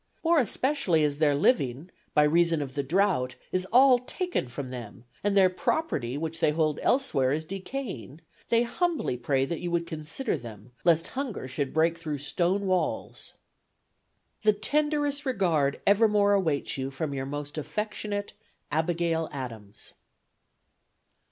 More especially as their living, by reason of the drought, is all taken from them, and their property which they hold elsewhere is decaying, they humbly pray that you would consider them, lest hunger should break through stone walls. "The tenderest regard evermore awaits you from your most affectionate "ABIGAIL ADAMS."